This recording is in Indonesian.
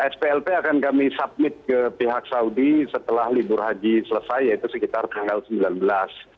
splp akan kami submit ke pihak saudi setelah libur haji selesai yaitu sekitar tanggal sembilan belas